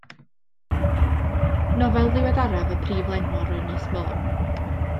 Nofel ddiweddaraf y Prif Lenor o Ynys Môn.